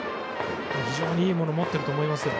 非常にいいものを持ってると思いますよ。